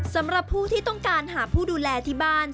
สำหรับผู้ที่ต้องการหาผู้ดูแลที่บ้าน